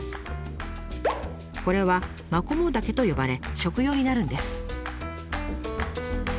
これは「マコモダケ」と呼ばれ食用になるんです。